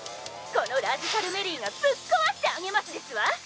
このラジカル・メリーがぶっ壊してあげますですわ！